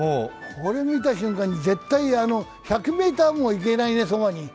これ見た瞬間に、絶対、１００ｍもそばに行けないね。